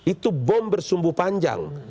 itu bom bersumbu panjang